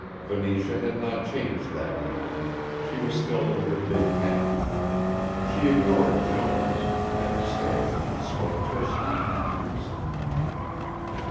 Venetia had not changed that evening, she was still in her big hat. She ignored Jones, and, standing, spoke tersely to Teresa.